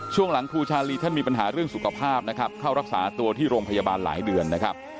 ช่วงหลังครูชาลีท่านมีปัญหาเรื่องสุขภาพนะครับเข้ารักษาตัวที่โรงพยาบาลหลายเดือนนะครับ